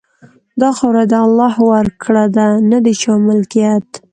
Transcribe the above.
دا خاوره د الله ورکړه ده، نه د چا ملکیت.